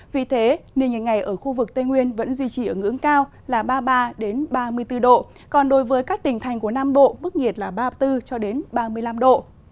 vì thế nền nhiệt ngày ở khu vực tây nguyên vẫn duy trì ở ngưỡng cao là ba mươi ba ba mươi bốn độ còn đối với các tỉnh thành của nam bộ mức nhiệt là ba mươi bốn ba mươi năm độ